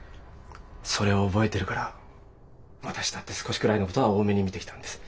それを覚えてるから私だって少しくらいのことは大目に見てきたんです。